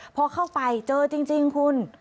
พอเข้าไปเจอจริงคุณ